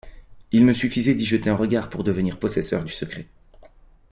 Il me suffisait d’y jeter un regard pour devenir possesseur du secret.